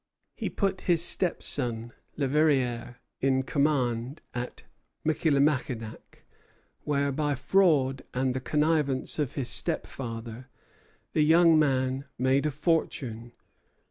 He put his stepson, Le Verrier, in command at Michillimackinac, where, by fraud and the connivance of his stepfather, the young man made a fortune.